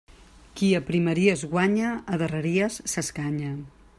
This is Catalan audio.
Qui a primeries guanya, a darreries s'escanya.